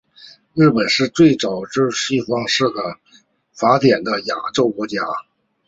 日本是最早编纂西方式法典的亚洲国家。